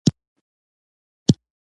هغوى ته مې غاښونه چيچل.